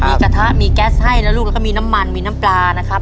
มีกระทะมีแก๊สให้นะลูกแล้วก็มีน้ำมันมีน้ำปลานะครับ